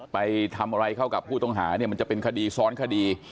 ไปทำอะไรเข้ากับผู้ต้องหาเนี่ยมันจะเป็นคดีซ้อนคดี